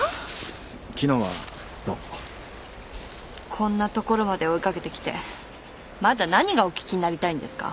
こんな所まで追い掛けてきてまだ何がお聞きになりたいんですか？